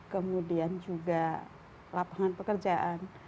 kemudian juga lapangan pekerjaan